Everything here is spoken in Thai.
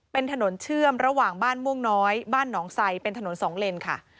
เป็นถนนเชื่อมระหว่างบ้านม่วงน้อยบ้านหนองไซเป็นถนนสองเลนค่ะ